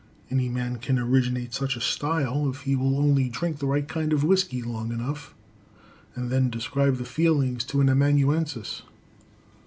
Any man can originate such a style if he will only drink the right kind of whiskey long enough and then describe the feelings to an amanuensis.